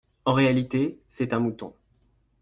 En réalité, c'est un mouton.